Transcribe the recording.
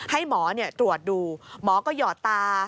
ให้หมอตรวจดูหมอก็หยอดตา